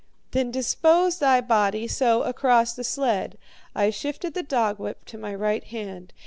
"'Then dispose thy body, so, across the sled,' I shifted the dogwhip to my right hand.